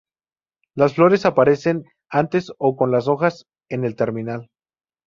Las flores aparecen antes o con las hojas en el terminal.